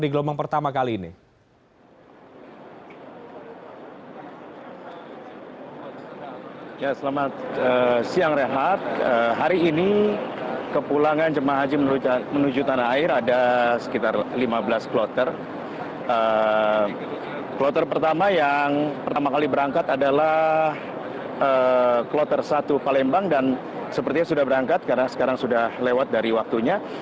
kloter pertama yang pertama kali berangkat adalah kloter satu palembang dan sepertinya sudah berangkat karena sekarang sudah lewat dari waktunya